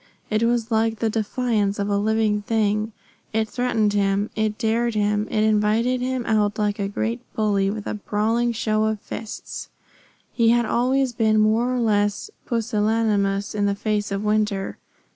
It was like the defiance of a living thing. It threatened him. It dared him. It invited him out like a great bully, with a brawling show of fists. He had always been more or less pusillanimous in the face of winter.